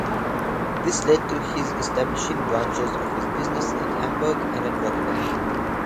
This led to his establishing branches of his business at Hamburg and at Rotterdam.